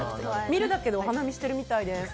見るだけでお花見しているみたいです。